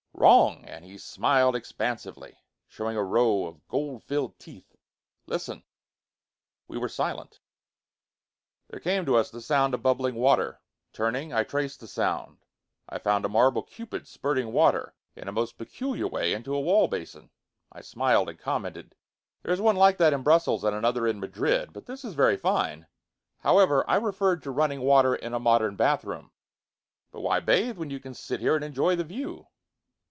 "Wrong!" and he smiled expansively, showing a row of gold filled teeth. "Listen." We were silent. There came to us the sound of bubbling water. Turning, I traced the sound. I found a marble Cupid spurting water in a most peculiar way into a wall basin. I smiled and commented. "There is one like that in Brussels and another in Madrid. But this is very fine. However, I referred to running water in a modern bathroom." "But why bathe when you can sit here and enjoy the view?"